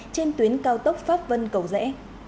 trên tuyến cao tốc pháp vân cầu rẽ